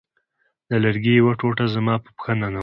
د لرګي یوه ټوټه زما په پښه ننوتې وه